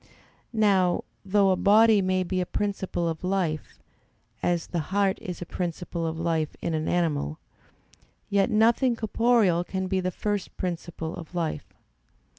Now, though a body may be a principle of life, as the heart is a principle of life in an animal, yet nothing corporeal can be the first principle of life.